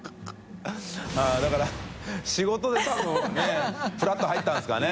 ◆舛だから仕事で多分ふらっと入ったんですかね？